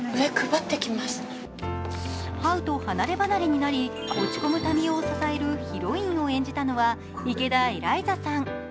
ハウと離ればなれになる落ち込む民夫を支えるヒロインを演じたのは池田エライザさん。